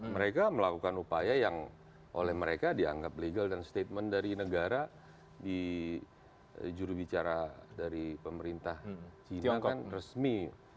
mereka melakukan upaya yang oleh mereka dianggap legal dan statement dari negara di jurubicara dari pemerintah china kan resmi